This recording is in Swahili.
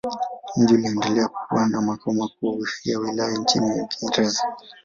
Mji uliendelea kuwa makao makuu ya wilaya chini ya Waingereza.